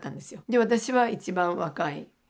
で私は一番若い。